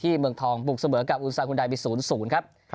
ที่เมืองทองปลูกเสมอกับอุตส่างคุณไดมิตรศูนย์ศูนย์ครับ